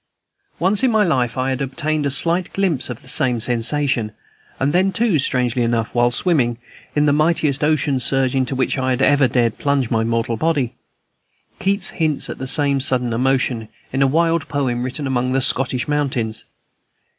Once in my life I had obtained a slight glimpse of the same sensation, and then, too, strangely enough, while swimming, in the mightiest ocean surge into which I had ever dared plunge my mortal body. Keats hints at the same sudden emotion, in a wild poem written among the Scottish mountains.